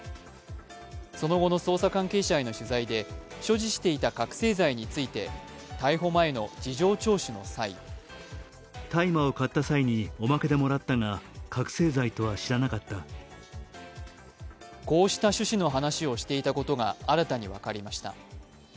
その後の捜査関係者への取材で所持していた覚醒剤について逮捕前の事情聴取の際こうした趣旨の話をしていたことが新たに分かりました。